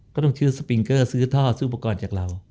ก็ต้องชื่อสปิงเกอร์ซื้อทอดซื้อประกอบจากเรา